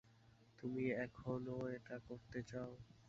তুমি এখনও এটা করতে চাও?